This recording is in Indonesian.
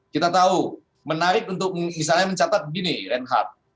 kita tahu menarik untuk misalnya mencatat begini reinhardt